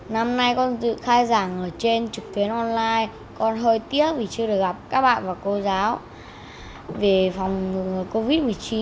năm nay con dự khai giảng ở trên trực tuyến online con hơi tiếc vì chưa được gặp các bạn và cô giáo về phòng covid một mươi chín